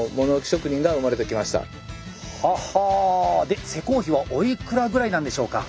で施工費はおいくらぐらいなんでしょうか？